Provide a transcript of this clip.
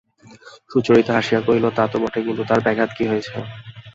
সুচরিতা হাসিয়া কহিল, তা তো বটেই, কিন্তু তার ব্যাঘাত কি হয়েছে?